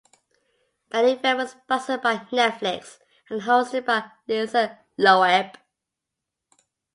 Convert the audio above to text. The event was sponsored by Netflix and hosted by Lisa Loeb.